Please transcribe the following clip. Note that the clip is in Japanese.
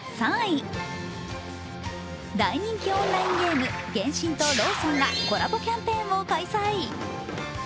大人気オンラインゲーム「原神」とローソンがコラボキャンペーンを開催。